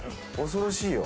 恐ろしいよ。